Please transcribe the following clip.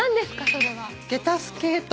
それは。